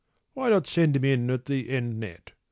Why not send him in at the end net?